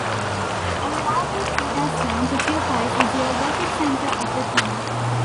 A large cedar swamp occupies the geographic center of the town.